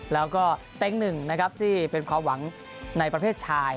แล้วก็เต็งหนึ่งนะครับที่เป็นความหวังในประเภทชาย